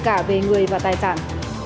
cả về người và tài sản